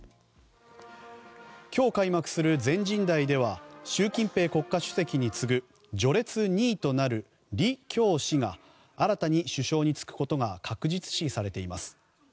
今日開幕する全人代では習近平国家主席に次ぐ序列２位となる李強氏が新たに首相に就くことが確実視されています。